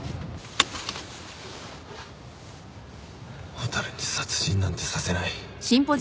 蛍に殺人なんてさせない。